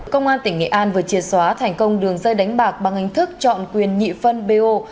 công an tỉnh nghệ an vừa triệt xóa thành công đường dây đánh bạc bằng hình thức chọn quyền nhị phân bo